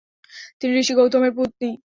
তিনি ঋষি গৌতমের পত্নী।